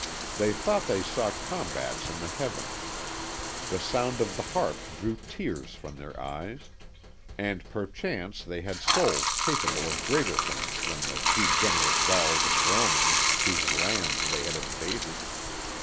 They thought they saw combats in the heavens; the sound of the harp drew tears from their eyes; and perchance they had souls capable of greater things than the degenerate Gauls and Romans whose lands they had invaded.